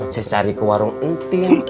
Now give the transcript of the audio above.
saya cari ke warung enti